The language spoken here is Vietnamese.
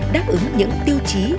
đáp ứng những tiêu chí